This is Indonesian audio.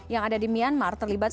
yang ada di myanmar terlibat